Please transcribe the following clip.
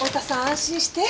安心して。